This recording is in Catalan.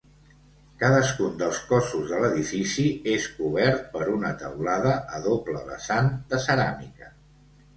Cadascun dels cossos de l'edifici és cobert per una teulada a doble vessant de ceràmica.